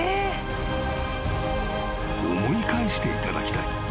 ［思い返していただきたい。